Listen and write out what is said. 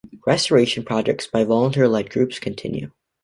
Restoration projects by volunteer-led groups continue.